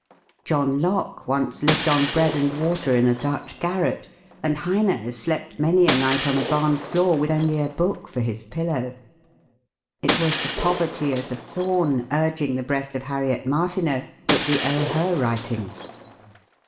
John Locke once lived on bread and water in a Dutch garret, and Heyne slept many a night on a barn floor with only a book for his pillow. It was to poverty as a thorn urging the breast of Harriet Martineau that we owe her writings.